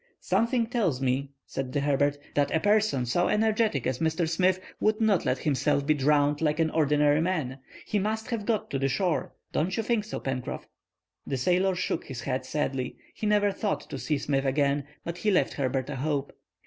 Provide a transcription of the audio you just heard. "Something tells me," said Herbert, "that a person so energetic as Mr. Smith would not let himself be drowned like an ordinary man. He must have got to shore; don't you think so, Pencroff?" The sailor shook his head sadly. He never thought to see Smith again; but he left Herbert a hope.